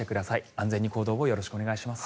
安全に行動をよろしくお願いします。